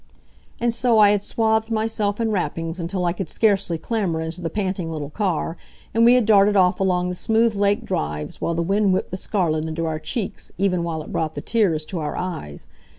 And so I had swathed myself in wrappings until I could scarcely clamber into the panting little car, and we had darted off along the smooth lake drives, while the wind whipped the scarlet into our cheeks, even while it brought the tears to our eyes.